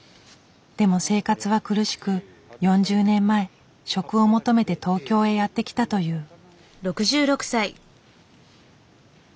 でも生活は苦しく４０年前職を求めて東京へやって来たという。